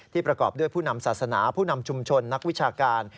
ประกอบด้วยผู้นำศาสนาผู้นำชุมชนนักวิชาการ